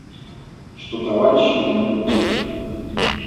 Что товарищей у меня было четверо: